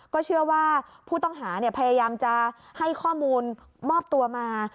ก็เชื่อว่าผู้ต้องหาพยายามจะให้ข้อมูลมอบตัวมา